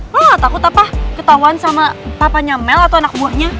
lo gak takut apa ketauan sama papanya mel atau anak gue nya